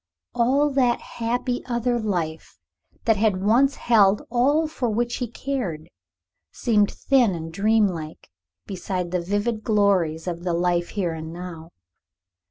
All that happy other life, that had once held all for which he cared, seemed thin and dream like beside the vivid glories of the life here, now.